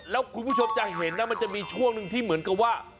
แล้วคุณผู้ชมจะเห็นนะมันจะมีช่วงหนึ่งที่เหมือนกับว่า